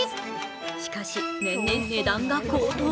しかし、年々、値段が高騰。